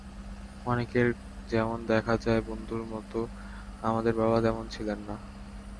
অনেকের যেমন দেখা যায় বন্ধুর মতো, আমাদের বাবা তেমন ছিলেন না।